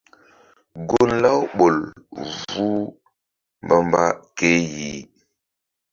Gun Laouɓol vuh mbamba ke yih.